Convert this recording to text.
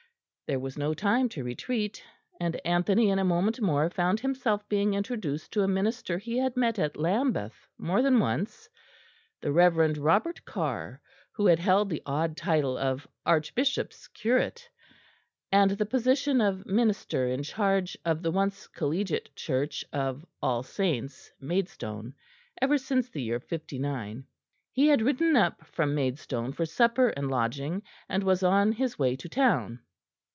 There was no time to retreat; and Anthony in a moment more found himself being introduced to a minister he had met at Lambeth more than once the Reverend Robert Carr, who had held the odd title of "Archbishop's Curate" and the position of minister in charge of the once collegiate church of All Saints', Maidstone, ever since the year '59. He had ridden up from Maidstone for supper and lodging, and was on his way to town.